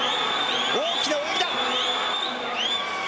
大きな泳ぎだ。